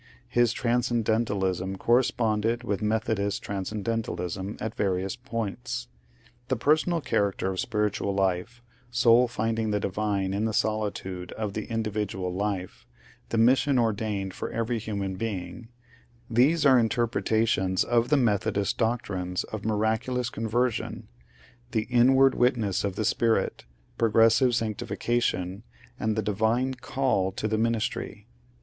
His transcendentalism ^rresponded with Methodist transcendentalism at various points. The personal character of spiritual life, soul finding the divine in the solitude of the individual life, the mission ordained for every human being, — these are interpretations of the Methodist doctrines of miraculous conversion, the in ward witness of the Spirit, progressive sanctification, and the divine " call " to the ministry.